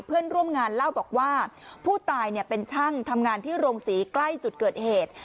เพื่อนร่วมงานเล่าบอกว่าผู้ตายเป็นช่างทำงานที่โรงศรีใกล้จุดเกิดเหตุ